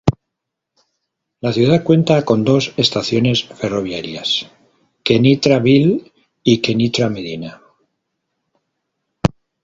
La ciudad cuenta con dos estaciones ferroviarias: "Kenitra-Ville" y Kenitra-Medina".